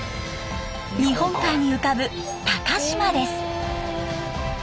日本海に浮かぶ高島です。